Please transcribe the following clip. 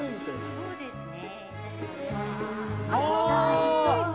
そうですね。